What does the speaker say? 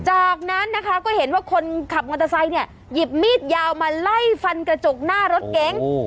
จากนั้นนะคะก็เห็นว่าคนขับมอเตอร์ไซค์เนี่ยหยิบมีดยาวมาไล่ฟันกระจกหน้ารถเก๋ง